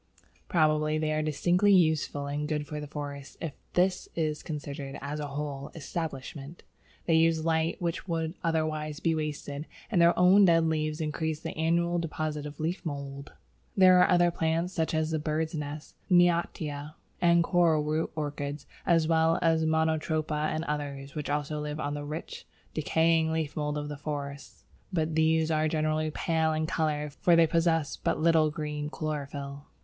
Probably they are distinctly useful and good for the forest if this is considered as a whole establishment. They use light which would otherwise be wasted, and their own dead leaves increase the annual deposit of leaf mould. There are other plants, such as the Bird's nest (Neottia) and Coralroot Orchids, as well as Monotropa and others, which also live on the rich, decaying leaf mould of forests, but these are generally pale in colour, for they possess but little green chlorophyll.